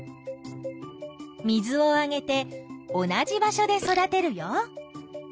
水をあげて同じ場所で育てるよ。